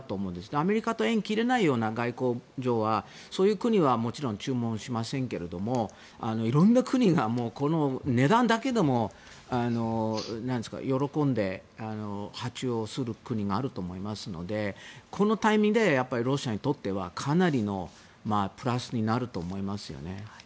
アメリカと縁を切れないような、外交上はそういう国はもちろん注文しませんが色んな国が値段だけでも喜んで発注をする国があると思いますのでこのタイミングでロシアにとってはかなりのプラスになると思いますよね。